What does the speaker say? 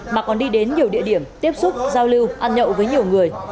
mà còn đi đến nhiều địa điểm tiếp xúc giao lưu ăn nhậu với nhiều người